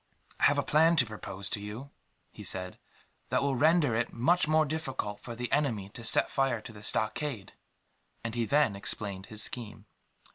"I have a plan to propose to you," he said, "that will render it much more difficult for the enemy to set fire to the stockade;" and he then explained his scheme.